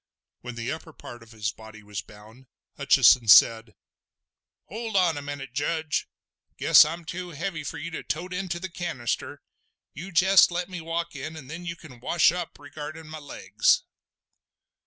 When the upper part of his body was bound, Hutcheson said: "Hold on a moment, Judge. Guess I'm too heavy for you to tote into the canister. You jest let me walk in, and then you can wash up regardin' my legs!"